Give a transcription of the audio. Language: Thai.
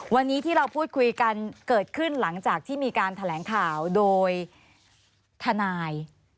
วันนี้ที่เราพูดคุยกันเกิดขึ้นหลังจากที่มีการแถลงข่าวโดยทนาย